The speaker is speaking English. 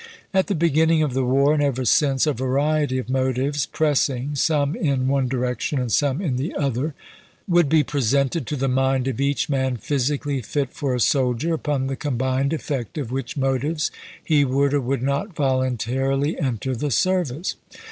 "At the beginning of the war, and ever since, a variety of motives, pressing, some in one direc tion and some in the other, would be presented to the mind of each man physically fit for a soldier, upon the combined effect of which motives he would, or would not, voluntarily enter the service.